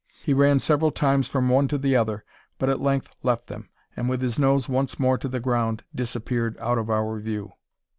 He ran several times from one to the other, but at length left them; and, with his nose once more to the ground, disappeared out of our view.